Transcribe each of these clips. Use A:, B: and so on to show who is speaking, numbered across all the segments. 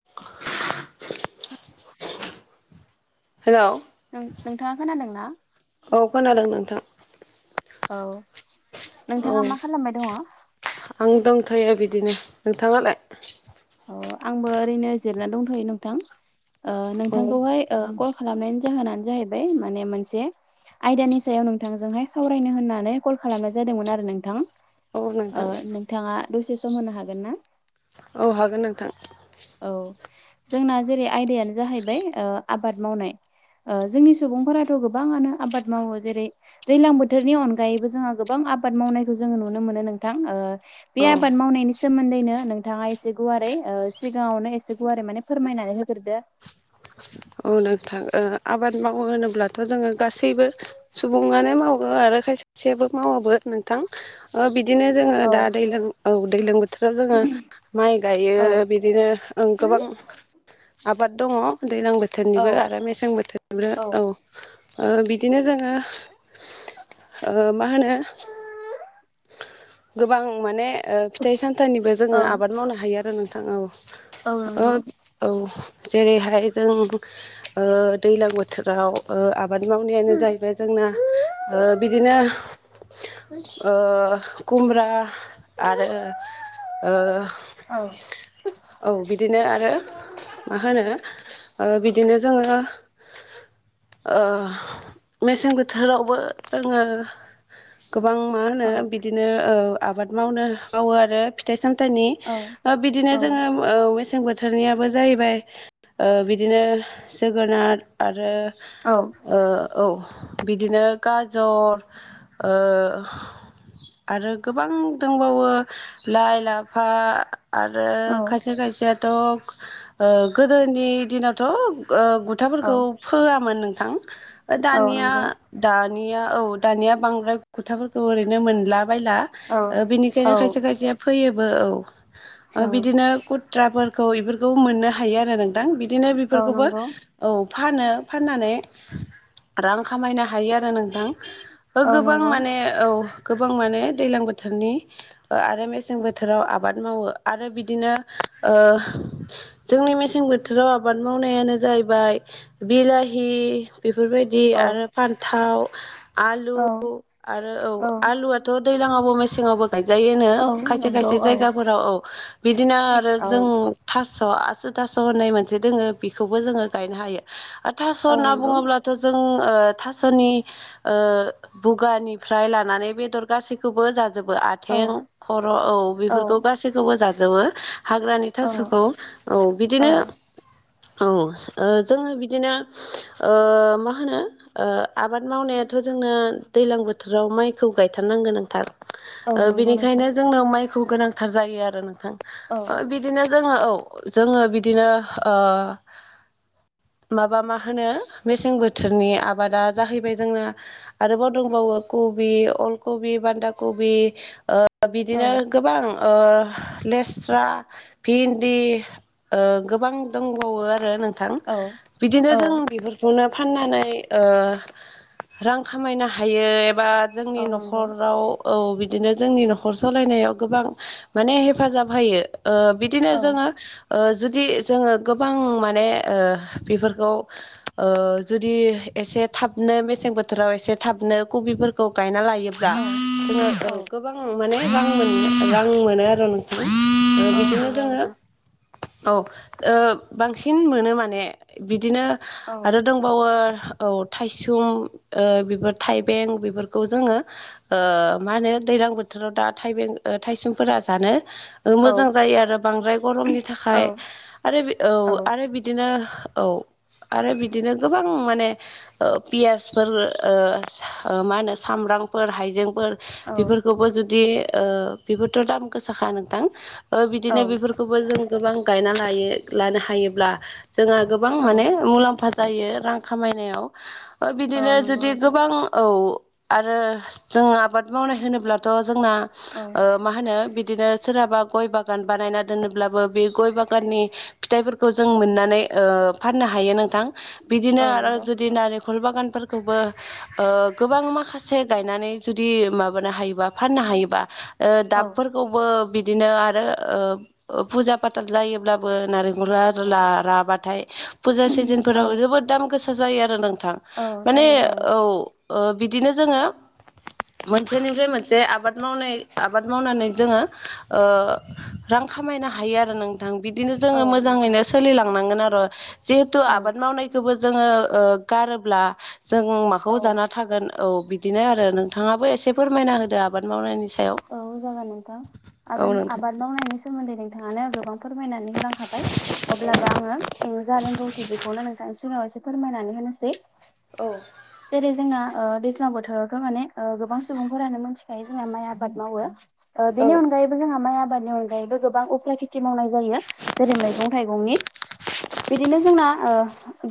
A: [inaudible] हेल'
B: औ नोंथाङा खोनादों ना?
A: औ खोनादों नोंथां।
B: औ
A: औ
B: नोंथाङा मा खालामबाय दङ?
A: आं दंथ'यो बिदिनो नोंथाङालाय?
B: अ आंबो ओरैनो जिरनानै दंथ'यो नोंथां ओ
A: औ
B: नोंथांखौहाय ओ कल खालामनायनि जाहोनानो जाहैबाय माने मोनसे आयदानि सायाव नोंथांजोंहाय सावरायनो होननानै कल खालामनाय जादोंमोन आरो नोंथां।
A: औ
B: ओ
A: नोंथां
B: नोंथाङा दसे सम होनो हागोन ना?
A: औ हागोन नोंथां।
B: औ जोंना जेरै आयदायानो जाहैबाय ओ आबाद मावनाय। ओ जोंनि सुबुंफोराथ' गोबाङानो आबाद मावो जेरै दैलां बोथोरनि अनगायैबो जोंहा गोबां आबाद मावनायखौ जोङो नुनो मोनो नोंथां ओ बे
A: औ
B: आबाद मावनायनि सोमोन्दैनो नोंथाङा एसे गुवारै ओ सिगाङावनो एसे गुवारै माने फोरमायनानै होग्रोदो।
A: औ नोंथां ओ आबाद मावो होनोब्लाथ' जोङो गासैबो सुबुङानो मावो आरो खायसे खायसेयाबो मावोबो नोंथां। ओ बिदिनो जोङो दा
B: औ
A: दै लों औ दैलों बो थोराव जोङो माइ गायो
B: औ
A: बिदिनो ओं गोबां आबाद दङ दैलां
B: औ
A: बोथोरनिबो आरो मेसें बोथोरनिबो औ। ओ बिदिनो जोङो ओ मा होनो गोबां माने ओ फिथाइ सामथाइनिबो जोङो
B: औ
A: आबाद मावनो हायो आरो नोंथां औ
B: औ
A: ओ
B: नंगौ
A: औ जेरैहाय जों ओ दैलां बोथोराव ओ आबाद मावनायानो जाहैबाय जोंना ओ बिदिनो ओ कुमब्रा आरो
B: औ
A: ओ औ बिदिनो आरो मा होनो ओ बिदिनो जोङो ओ मेसें बोथोरावबो जोङो गोबां मा होनो
B: औ
A: बिदिनो औ आबाद मावनो मावो आरो फिथाइ सामथाइनि
B: औ
A: ओ बिदिनो
B: औ
A: जोङो औ मेसें बोथोरनियाबो जाहैबाय ओ बि दिनो जोगोनार आरो
B: औ
A: ओ औ बिदिनो गाजर ओ आरो गोबां दंबावो लाइ लाफा आरो खायसे खायसेयाथ' ओ गोदोनि दिनावथ' ओ
B: औ
A: थाफोरखौ फोआमोन नोंथां ओ
B: औ
A: दानिया
B: नंगौ
A: दानिया औ दानिया बांद्राय खोथाफोरखौ ओरैनो मोनला बायला
B: औ
A: ओ बिनिखायनो
B: औ
A: खायसे खायसेया फैयोबो औ बिदिनो खुथ त्राफोरखौ बेफोरखौबो मोननो हायो आरो नोंथां बिदिनो
B: औ
A: बेफोरखौबो
B: नंगौ
A: औ फानो फाननानै रां खामायनो हायो आरो नोंथां ओ
B: औ
A: गोबां
B: नंगौ
A: माने औ गोबां माने दैलां बोथोरनि ओ आरो मेसें बोथोराव आबाद मावो आरो बिदिनो ओ जोंनि मेसें बोथोराव आबाद मावनायानो जाहैबाय बिलाहि बेफोरबायदि
B: औ
A: आरो फान्थाव आलु
B: औ
A: आरो औ आलुआथ' दैज्लाङावबो मेसेङावबो गायजायोनो
B: औ
A: खायसे
B: नंगौ
A: खायसे
B: औ
A: जायगाफोराव औ बिदिनो आरो
B: औ
A: जों थास' आसु थास' होननाय मोनसे दोङो बेखौबो जोङो गायनो हायो। आरो थास'
B: औ
A: होनना
B: नंगौ
A: बुङोब्लाथ' जों ओ थास'नि ओ बुगानिफ्राय लानानै बेदर गासैखौबो जाजोबो आ
B: औ
A: थें खर' औ बेफोरखौ गैखौबो जाजोबो हाग्रानि
B: औ
A: थास'खौ औ
B: औ
A: बिदिनो औ ओ जोङो बिदिनो ओ मा होनो ओ आबाद मावनायाथ' जोंना दैलां बोथोराव माइखौ गायथारनांगोन नोंथां
B: औ
A: ओ
B: नंगौ नोंथां
A: बेनिखायनो जोंनो माइखौ गोनांथार जायो आरो नोंथां
B: औ
A: ओ बि दिनो जोङो औ जोङो बिदिनो ओ माबा मा होनो मेसें बोथोरनि आबादा जाहैबाय जोंना आरोबाव दंबावो कबि अल कबि बान्दा कबि ओ
B: औ
A: बिदिनो गोबां ओ लेस्रा भिन्दि ओ गोबां दंबावो आरो नोंथां
B: औ
A: बिदिनो
B: औ
A: जों बेफोर बेखौनो फाननानै ओ रां खामायनो हायो एबा जोंनि
B: औ नंगौ
A: न'खराव औ बिदिनो जोंनि न'खर सालायनायाव गोबां माने हेफाजाब होयो ओ बिदिनो
B: औ
A: जोङो ओ जुदि जोङो गोबां माने ओ बेफोरखौ ओ जुदि एसे थाबनो मेसें बोथोराव एसे थाबनो कबिफोरखौ गायना लायो ब्ला
B: औ
A: जोङो औ गोबां माने रां मोन रां मोनो आरो ओ
B: औ
A: बिदिनो
B: नंगौ
A: जोङो
B: नोंथां
A: औ ओ बांसिन मोनो माने बिदिनो
B: औ
A: आरो दोंबावो औ थाइसुम ओ बेफोर थाइबें बेफोरखौ जोङो ओ मा होनो दैलां बोथोराव दा थाइबें थाइसुमफोरा जानो ओ
B: औ
A: मोजां जायो आरो बांद्राय गरमनि
B: औ
A: थाखाय आरो औ आरो आरो बिदिनो औ आरो बिदिनो गोबां माने ओ पियासफोर ओ ओ मा होनो सामब्रामफोर हाइजेंफोर बेफोरखौबो जुदि ओ बेफोरथ' दाम गोसाखा नोंथां
B: औ
A: बिदिनो बेफोर खौबो जों गोबां गायना लायो लानो हायोब्ला जोंहा गोबां
B: औ
A: माने मुलाम्फा जायो रां खामायनायाव ओ
B: औ
A: बिदिनो
B: नंगौ
A: जुदि
B: नोंथां
A: गोबां औ आरो जों आबाद मावनाय होनोब्लाथ' जोंना ओ
B: औ
A: मा होनो बिदिनो सोरहाबा गय बागान बानायना दोनोब्लाबो बे गय बागाननि फिथाइफोरखौ जों
B: औ
A: मोननानै ओ फाननो हायो नोंथां बिदिनो
B: औ
A: आरो
B: नंगौ
A: जुदि नारेंखल बागानफोर खौबो ओ गोबां माखासे गायनानै जुदि माबानो हायोबा फाननो हायोबा ओ
B: औ
A: दाबफोरखौबो बिदिनो आरो ओ फुजा पाथार जायोब्लाबो नारें खला आरो
B: औ
A: राबाथाय फुजा
B: औ
A: सिजोनफोराव जोबोद दाम गोसा जायो आरो नोंथां
B: औ
A: माने
B: जायो
A: औ ओ बिदिनो जोङो मोनसेनिफ्राय मोनसे आबाद मावनाय आबाद मावनानै जोङो ओ रां खामायनो हायो आरो नोंथां बिदिनो जोङो
B: औ
A: मोजां मो
B: नोंथां
A: सोलिलांनांगोन आरो जिहेथु
B: औ
A: आबाद मावनायखौबो जोङो ओ गारोब्ला जों माखौ
B: औ
A: जाना थागोन औ बि दिनो आरो नोंथाङाबो एसे फोरमायना होदो आबाद मावनायनि सायाव
B: औ जागोन नोंथां
A: औ
B: आरो
A: नोंथां
B: आबाद मावनायनि सोमोन्दै नोंथाङानो गोबां फोरमायनानै होलांखाबाय अब्लाबो आङो जा रोंगौथि बेखौनो नोंथांनि सिगाङाव एसे फोरमानानो होनसै
A: औ
B: जेरै जोंना ओ दैज्लां बोथोरावथ माने ओ गोबां सुबुंफोरानो मिथिखायो जोंना माइ आ बाद मावो
A: औ
B: बेनि अन गायैबो जोंहा माइ आबादनि अनगायैबो गोबां उफ्रा खेथि मावनाय जायो जेरै मैगं थाइगंनि बिदिनो जोंना ओ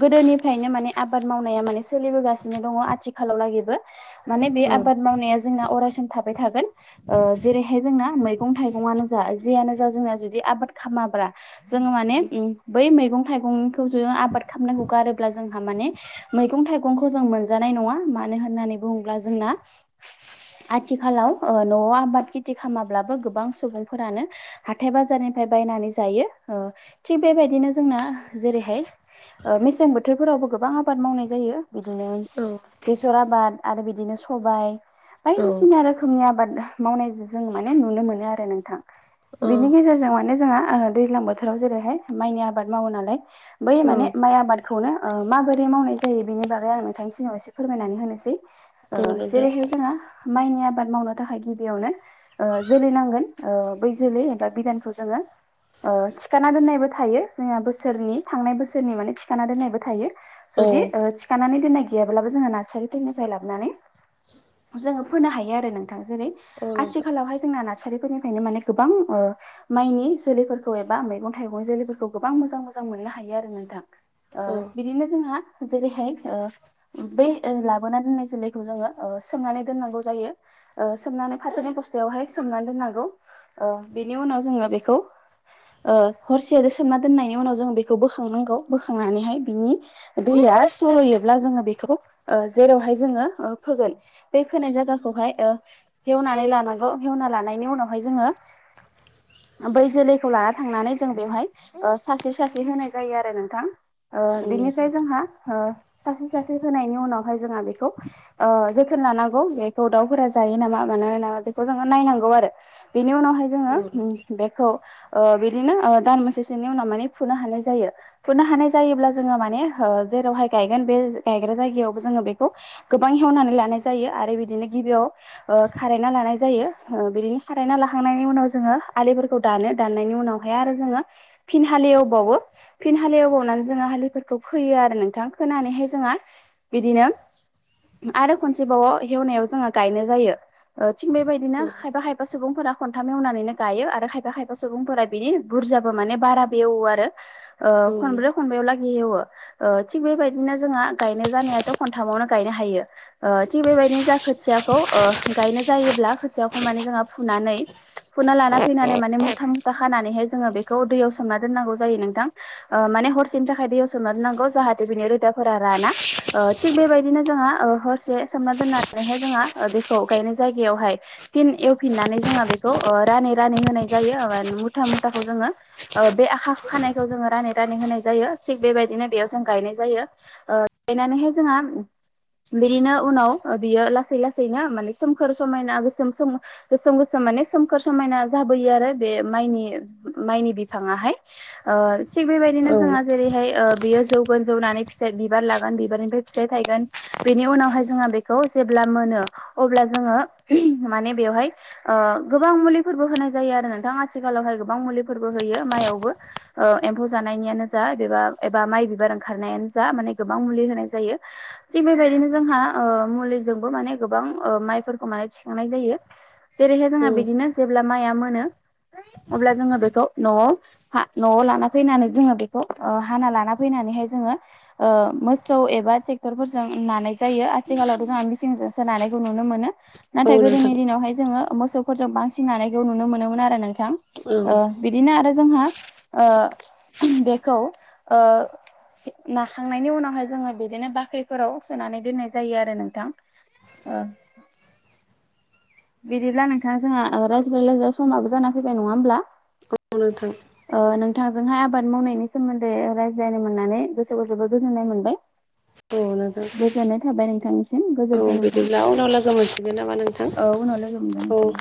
B: गोदोनिफ्रायनो माने आबाद मावनाया माने सोलिबोगासिनो दङ आथिखालाव लागिबो माने बे
A: औ
B: आबाद मावनाया जोंना अरायसम थाबाय थागोन ओ जेरैहाय जोंना मैगं थाइगंआनो जा जियानो जा जोंना जुदि आबाद खालामाब्ला जोंङो माने बै मैगं थाइगंखौ जों आबाद खालामनायखौ गारोब्ला जोंहा माने मैगं थाइगंखौ जों मोनजानाय नङा मानो होननानै बुंङोब्ला जोंना आथिखालाव ओ न'आव आबाद खेथि खालामाब्लाबो गोबां सुबुंफोरानो हाथाय बाजारनिफ्राय बायनानै जायो ओ थिग बेबायदिनो जोंना जेरैहाय मेसें बोथोरफोरावबो गोबां आबाद मावनाय जायो बिदिनो बेसर आबाद आरो बिदिनो सबाय बायदिसिना रो रोखोमनि आबाद मावनाय जों माने नुनो मोनो आरो नोंथां
A: औ
B: बेनि गेजेरजों माने जोंहा दैज्लां बोथोराव जेरैहाय माइनि आबाद मावो नालाय बै
A: औ
B: माने माइ आबाद खौनो ओ माबोरै मावनाय जायो बेनि बागै आं नोंथांनि सिगाव एसे फोरमायनानै होनोसै ओ
A: औ नोंथां
B: जेरैहाय जोंहा माइनि आबाद मावनो थाखाय गिबियावनो ओ जोलै नांगोन बै जोलै एबा बिदानखौ जोंङो ओ थिखाना दोननायबो थायो जोंहा बोसोरनि थांनाय बोसोरनि माने थिखाना दोननायबो थायो
A: औ
B: जुदि ओ थिखानानै दोननाय गैयाब्लाबो जोंङो नार्सारि निफ्राय लाबोनानै जोङो फोनो हायो आरो नोंथां जेरै
A: औ नोंथां
B: आथिखालावहाय जोंना नार्सारिफोरनिफ्रायनो माने गोबां ओ माइनि जोलैफोरखौ एबा मैगं थाइगं जोलैफोरखौ गोबां मोजां मोजां मोननो हायो आरो नोंथां ओ
A: औ
B: बिदिनो जोंहा जेरैहाय ओ बै लाबोना दोननाय जोलैखौ जोंङो ओ सोमनानै दोननांगौ जायो ओ सोमनानै फाथोनि बस्थायावहाय सोमनानै दोननांगौ ओ बेनि उनाव जोंङो बेखौ ओ हरसे आरो सोमना दोननायनि उनाव जों बेखौ बोखांनांगौ बोखांनानैहाय बिनि दैया सरयोब्ला जोंङो बेखौ जेरावहाय जोंङो फोगोन बै फोनाय जायगाखौहाय ओ हेवनानै लानांगौ हेवना लानायनि उनावहाय जोंङो बै जोलैखौ लाना थांनानै जों बेवहाय ओ सासे सासे होनाय जायो आरो नोंथां ओ
A: औ नोंथां
B: बिनिफ्राय जोंहा ओ सासे सासे होनायनि उनावहाय जोंहा बेखौ ओ जोथोन लानांगौ थ दाउफोरा जायो नामा मानोना बेखौ जोंङो नायनांगौ आरो बेनि उनावहाय
A: औ नोंथां
B: जोंङो बेखौ बिदिनो दान मोनसेसोनि उनाव माने फुनो हानाय जायो फुनो हानाय जायोब्ला जोङो माने जेरावहाय गायगोन बे गायग्रा जायगायावबो जोंङो बेखौ गोबां हेवनानै लानाय जायो आरो बिदिनो गिबियाव ओ खारायना लानाय जायो ओ बिदिनो खारायना लाखांनायनि उनाव जोंङो आलिफोरखौ दानो दाननायनि उनावहाय आरो जोंङो फिन हालेवबावो फिन हालिव गावनानै जोंङो हालिफोरखौ खोयो आरो नोंथां खोनानैहाय जोंङोहाय बिदिनो आरो खनसेबावो हेवनायाव जोंङो गायनाय जायो थिग बेबायदिनो
A: औ
B: हायफा खायफा खायफा सुबुंफोरा खन्थाम एवनानैनो गायो आरो खायफा खायफा सुबुंफोरा बिदि बुरजाबो माने बारा बेवो आरो। ओ
A: औ
B: खनब्रै
A: नोंथां
B: खनबायाव लागि हेवो। ओ थिग बेबायदिनो जोंहा गायनाय जानायाथ' खनथामावनो गायनो हायो ओ थिग बेबायदिनो जाखो खोथियाखौ ओ गायनो जायोब्ला खोथियाखौ माने जोंहा फुनानै फुना लाना फैनानै माने मुथा मुथा खानानैहाय जोंङो बेखौ दैयाव सोमना दोननांगौ जायो नोंथां। ओ माने हरसेनि थाखाय दैयाव सोमार नांगौ जाहाथे बिनि रोदाफोरा राना। ओ थिग बेबायदिनो जोंहा हरसे सानना दोननानै हाय जोंहा दैखौ गायनाय जायगायावहाय फिन एवफिननानै जोंहा बेखौ ओ रानै रानै होनाय जायो मुथा मुथाखौ जोङो। ओ बे आखा खानायखौ जोंङो रानै रानै होनाय जायो थिग बेबायदिनो बेयाव जों गायनाय जायो। ओ गायनानैहाय जोंहा बिदिनो उनाव बियो लासै लासैनो माने सोमखोर समायना गोसोम सोमो। गोसोम गोसोम माने सोमखोर समायना जाबोयो आरो बे माइनि माइनि बिफांङाहाय। ओ थिग बेबायदिनो
A: औ
B: जोंहा
A: नोंथां
B: जेरैहाय बेयो ओ जौ जौगोन जौनायनि बिबार लागोन फिथाइ थायगोन बेनि उनाव खौ जेब्ला मोनो अब्ला जोंङो माने बेवहाय ओ गोबां मुलिफोरबो होनाय जायो आरो नोंथांा आथिखालावहाय गोबां मुलिफोरबो होयो माइयावबो। ओ एम्फौ जानायनिानो जा एबा एबा माइ बिबार ओंखारनायानो जा माने गोबां मुलि होनाय जायो। थिग बेबायदिनो जोंहा ओ मुलिजोंबो माने गोबां ओ माइफोरखौ माने थिखोनाय जायो। जेरैहाय जोंहा
A: औ
B: बिदिनो जेब्ला माइआ मोनो अब्ला जोङो बेखौ न'आव हा न'आव लाना फैनानै जोङो बेखौ ओ हाना लाना फैनानैहाय जोङो ओ मोसौ एबा ट्रेक्टरफोरजों नानाय जायो। आथिखालावथ' जोंहा मिसिंजोंसोोनानायखौ नुनो मोनो नाथाय
A: औ
B: गोदोनि
A: नोंथां
B: दिनावहाय जोङो मोसौफोरजों बांसिन नानायखौ नुनो मोनोमोन आरो नोंथां
A: औ
B: ओ बिदिनो आरो जोंहा ओ बेखौ ओ नाखांनायनि उनावहाय जोङो बिदिनो बाख्रिफोराव सोनानै दोननाय जायो। जायो आरो नोंथां ओ बिदिब्ला नोंथाङा जोंहा रायज्लाय रायज्लाय समाबो जाना फैबाय नङा होमब्ला?
A: नंगौ नोंथां।
B: ओ नोंथांजोंहाय आबाद मावनायनि सोमोन्दै रायज्लायनो मोननानै गोसोखौ जोबोद गोजोननाय मोनबाय।
A: औ नोंथां
B: गोजोननाय थाबाय नोंथांनिसिम।
A: औ
B: गोजोन्थों नोंथां
A: बिदिब्ला उनाव लोगो मोनफिगोन नामा नोंथां
B: औ उनाव लोगो मोनगोन
A: औ
B: नोंथां